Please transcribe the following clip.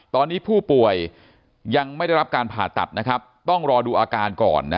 ตอนนี้ผู้ป่วยยังไม่ได้รับการผ่าตัดนะครับต้องรอดูอาการก่อน